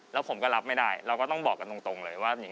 แล้วผมก็รับไม่ได้เราก็ต้องบอกกันตรงเลยว่า